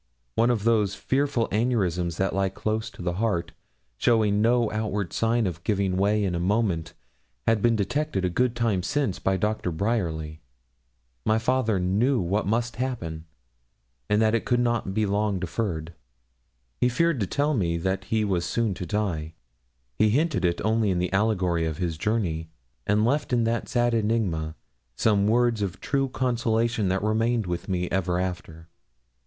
One of those fearful aneurisms that lie close to the heart, showing no outward sign of giving way in a moment, had been detected a good time since by Dr. Bryerly. My father knew what must happen, and that it could not be long deferred. He feared to tell me that he was soon to die. He hinted it only in the allegory of his journey, and left in that sad enigma some words of true consolation that remained with me ever after.